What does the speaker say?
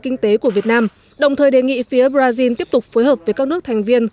kinh tế của việt nam đồng thời đề nghị phía brazil tiếp tục phối hợp với các nước thành viên